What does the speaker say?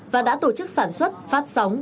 và đã tổ chức sản xuất phát sóng